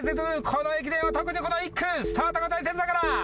この駅伝は特にこの１区スタートが大切だから！